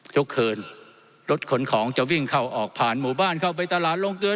ทุกคืนรถขนของจะวิ่งเข้าออกผ่านหมู่บ้านเข้าไปตลาดลงเกิน